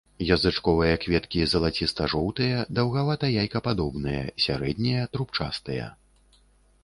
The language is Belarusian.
Язычковыя кветкі залаціста-жоўтыя, даўгавата-яйкападобныя, сярэднія трубчастыя.